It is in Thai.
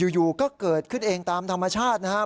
อยู่ก็เกิดขึ้นเองตามธรรมชาตินะครับ